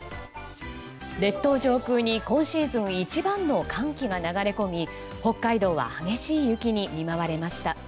列島上空に今シーズン一番の寒気が流れ込み北海道は激しい雪に見舞われました。